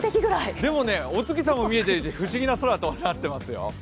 でもねお月様も見えていて、不思議な空となっていますよ。